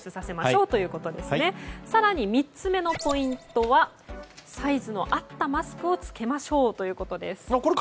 更に３つ目のポイントはサイズの合ったマスクを着けましょう。